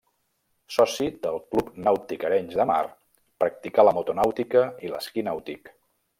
Soci del Club Nàutic Arenys de Mar, practicà la motonàutica i l'esquí nàutic.